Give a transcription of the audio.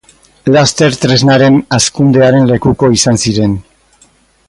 Laster tresnaren hazkundearen lekuko izan ziren.